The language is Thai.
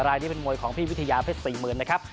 รายนี้เป็นมวยของพี่วิทยาเพชร๔๐๐๐นะครับ